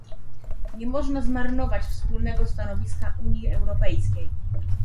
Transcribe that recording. Nie można zmarnować wspólnego stanowiska Unii Europejskiej